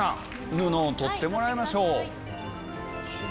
布を取ってもらいましょう。